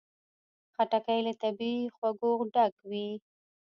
خټکی له طبیعي خوږو ډک وي.